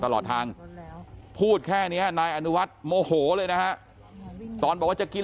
ตลอดทางพูดแค่นี้นายอนุวัฒน์โมโหเลยนะฮะตอนบอกว่าจะกิน